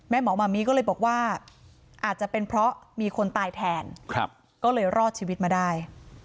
หมอมามีก็เลยบอกว่าอาจจะเป็นเพราะมีคนตายแทนก็เลยรอดชีวิตมาได้